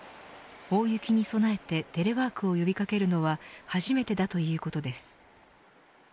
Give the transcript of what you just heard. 大雪に備えてテレワークを呼び掛けるのは初めてだということです。